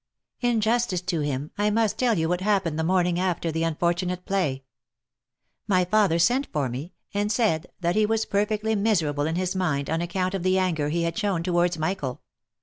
In justice to him, I must tell you what happened the morning after the unfortunate play. My father sent for me, and said, that he was perfectly miserable in his mind on account of the anger he had shown towards Michael.